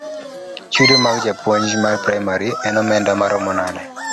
Chudo mar japuonj mar praimari en omenda maromo nade?